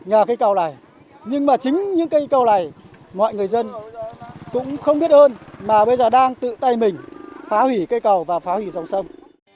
nhờ cây cầu này nhưng mà chính những cây cầu này mọi người dân cũng không biết hơn mà bây giờ đang tự tay mình phá hủy cây cầu và phá hủy dòng sông